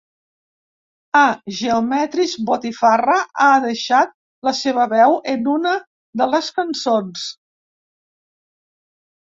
A ‘Geometries’, ‘Botifarra’ ha deixat la seva veu en una de les cançons.